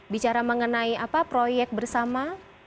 bicara mengenai proyek bersama